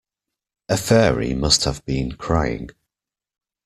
A fairy must have been crying.